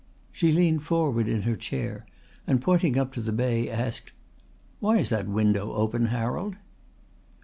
She leaned forward in her chair and pointing up to the bay asked: "Why is that window open, Harold?"